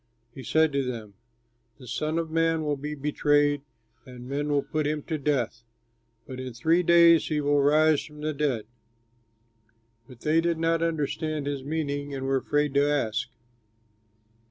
He said to them, "The Son of Man will be betrayed and men will put him to death, but in three days he will rise from the dead." But they did not understand his meaning and were afraid to ask.